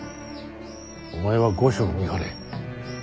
お前は御所を見張れ。